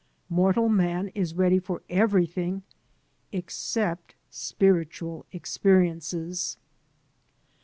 Mortal man is ready for everything except spiritual experiences.